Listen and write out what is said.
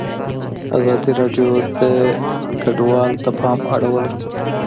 ازادي راډیو د کډوال ته پام اړولی.